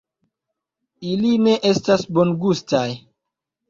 Ili ne estas bongustaj